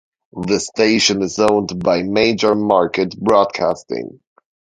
The station is owned by Major Market Broadcasting.